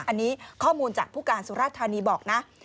อันนี้ข้อมูลจากผู้การสุราธานีบอกนะ